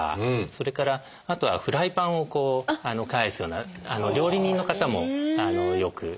それからあとはフライパンを返すような料理人の方もよく痛みが出ます。